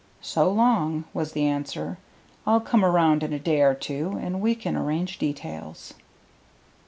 "So long," was the answer. "I'll come around in a day or two, and we can arrange details."